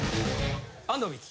安藤美姫。